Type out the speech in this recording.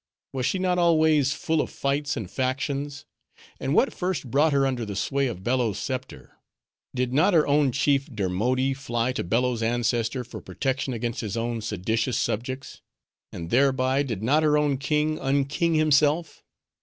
Was she not always full of fights and factions? And what first brought her under the sway of Bello's scepter? Did not her own Chief Dermoddi fly to Bello's ancestor for protection against his own seditious subjects? And thereby did not her own king unking himself?